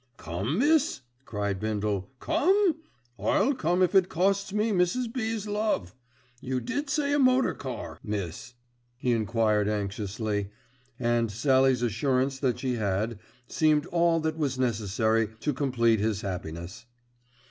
"Come, miss?" cried Bindle. "Come? I'll come if it costs me Mrs. B.'s love. You did say a motor car, miss?" he enquired anxiously, and Sallie's assurance that she had, seemed all that was necessary to complete his happiness.